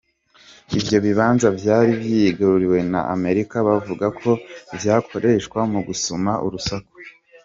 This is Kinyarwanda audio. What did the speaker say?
Ivyo bibanza vyari vyigaruriwe na Amerika bavuga ko vyakoreshwa mu gusuma urusaku.